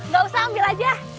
gak usah ambil aja